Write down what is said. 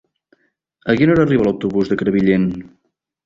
A quina hora arriba l'autobús de Crevillent?